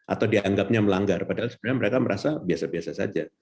atau dianggapnya melanggar padahal sebenarnya mereka merasa biasa biasa saja